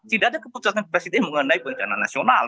tidak ada keputusan presiden mengenai bencana nasional